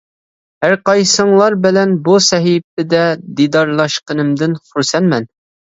ھەرقايسىڭلار بىلەن بۇ سەھىپىدە دىدارلاشقىنىمدىن خۇرسەنمەن.